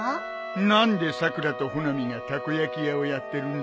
何でさくらと穂波がたこ焼き屋をやってるんだ？